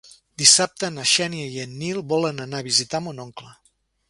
Dissabte na Xènia i en Nil volen anar a visitar mon oncle.